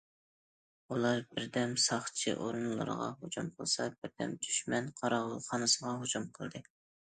ئۇلار بىردەم ساقچى ئورۇنلىرىغا ھۇجۇم قىلسا، بىردەم دۈشمەن قاراۋۇلخانىسىغا ھۇجۇم قىلدى.